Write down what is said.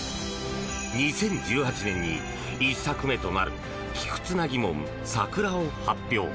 ２０１８年に、１作目となる菊繋ぎ紋桜を発表。